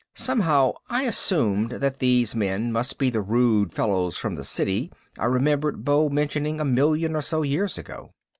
Somehow I assumed that these men must be the "rude fellows from the City" I remembered Beau mentioning a million or so years ago.